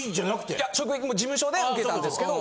いや職域事務所で受けたんですけど。